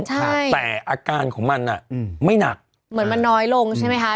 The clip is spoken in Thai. ใช่แต่อาการของมันอ่ะอืมไม่หนักเหมือนมันน้อยลงใช่ไหมคะ